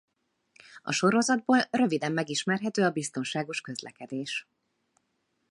A sorozatból röviden megismerhető a biztonságos közlekedés.